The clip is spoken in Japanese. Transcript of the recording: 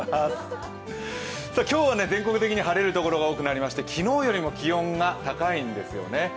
今日は全国的に晴れる所が多くなりまして昨日よりも気温が高いんですよね。